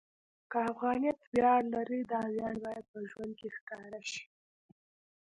که افغانیت ویاړ لري، دا ویاړ باید په ژوند کې ښکاره شي.